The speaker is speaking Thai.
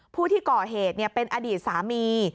ผู้ที่ก่อเหตุเป็นอดีตสามี